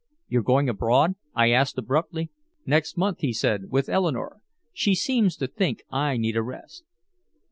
"You're going abroad?" I asked abruptly. "Next month," he said, "with Eleanore. She seems to think I need a rest."